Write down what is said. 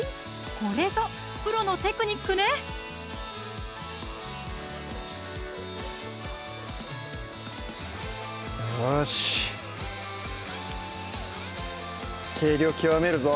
これぞプロのテクニックねよし計量極めるぞ